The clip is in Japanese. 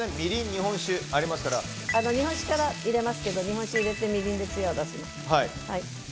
日本酒から入れますけど日本酒入れてみりんでつやを出すの。